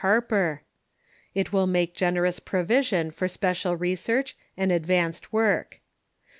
Harper. It will make generous provision for special research and advanced work.